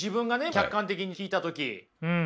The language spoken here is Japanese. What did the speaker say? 客観的に聞いた時。